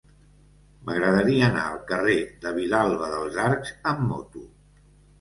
M'agradaria anar al carrer de Vilalba dels Arcs amb moto.